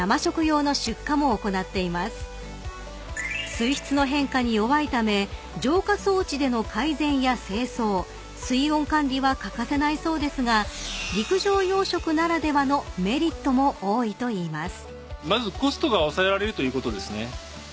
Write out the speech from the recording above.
［水質の変化に弱いため浄化装置での改善や清掃水温管理は欠かせないそうですが陸上養殖ならではのメリットも多いといいます］